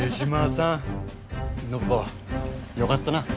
暢子よかったな。